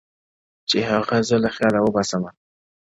چي هغه زه له خياله وباسمه،